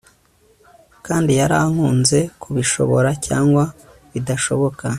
kandi yarankunze kubishobora cyangwa bidashoboka